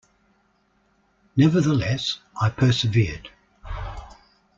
Nevertheless, I persevered.